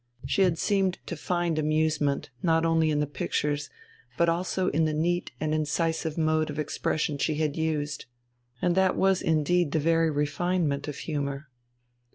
She had seemed to find amusement not only in the pictures, but also in the neat and incisive mode of expression she had used. And that was indeed the very refinement of humour....